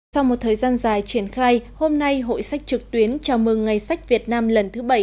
sau một thời gian dài triển khai hôm nay hội sách trực tuyến chào mừng ngày sách việt nam lần thứ bảy